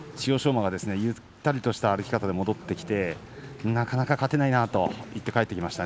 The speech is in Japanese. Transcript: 馬がゆったりとした歩き方で戻ってきてなかなか勝てないなと言って帰ってきました。